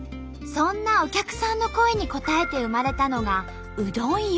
そんなお客さんの声に応えて生まれたのがうどん湯。